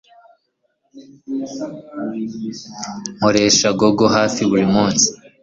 Nkoresha Google hafi buri munsi